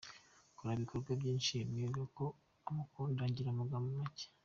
Kora ibikorwa byinshi bimwereka ko umukunda ugire amagambo macye.